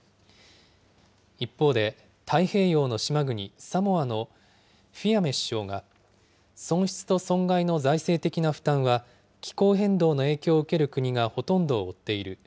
一方で、太平洋の島国、サモアのフィアメ首相が、損失と損害の財政的な負担は、気候変動の影響を受ける国がほとんどを負っている。